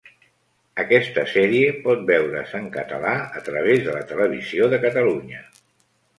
Aquesta sèrie pot veure's en català a través de la Televisió de Catalunya.